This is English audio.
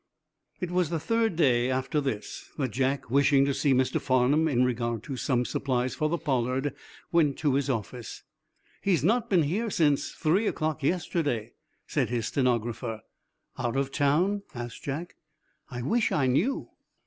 It was the third day after this that Jack, wishing to see Mr. Farnum in regard to some supplies for the "Pollard," went to his office. "He's not been here since three o'clock yesterday," said his stenographer. "Out of town?" asked Jack. "I wish I knew."